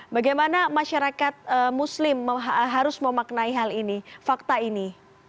bagaimana masyarakat muslim harus memaknai hal ini fakta ini